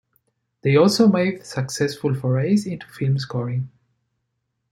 They also made successful forays into film scoring.